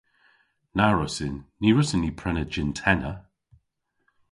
Na wrussyn. Ny wrussyn ni prena jynn-tenna.